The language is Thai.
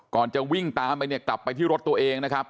จะวิ่งตามไปเนี่ยกลับไปที่รถตัวเองนะครับ